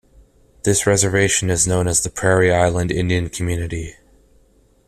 This reservation is known as the Prairie Island Indian Community.